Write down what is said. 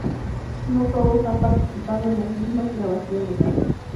No todos han participado en las mismas grabaciones.